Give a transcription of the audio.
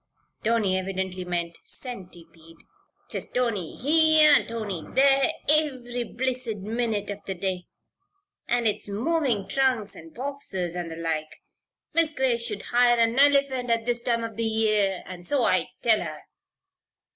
Tony evidently meant centipede. "'Tis 'Tony, here!' and 'Tony, there!' iv'ry blissid minute av th' day. An' 'tis movin' trunks an' boxes, and the like Mis' Grace should hire a nelephant at this time of the year, an' so I tell her.